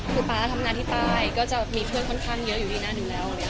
คือป๊าทำงานที่ใต้ก็จะมีเพื่อนค่อนข้างเยอะอยู่ที่หน้าหนึ่งแล้ว